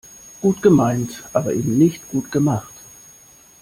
Gut gemeint, aber eben nicht gut gemacht.